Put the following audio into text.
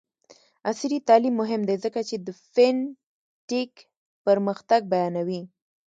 عصري تعلیم مهم دی ځکه چې د فین ټیک پرمختګ بیانوي.